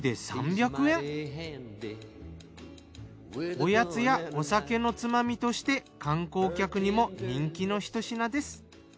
おやつやお酒のつまみとして観光客にも人気のひと品です。